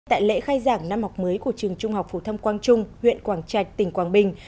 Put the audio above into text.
tại lễ khai giảng năm học mới của trường trung học phủ thâm quang trung huyện quảng trạch tỉnh quang bình